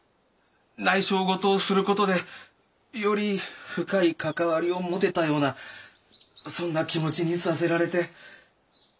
内証事をする事でより深い関わりを持てたようなそんな気持ちにさせられて。